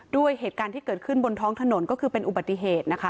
ด้วยเหตุการณ์ที่เกิดขึ้นบนท้องถนนก็คือเป็นอุบัติเหตุนะคะ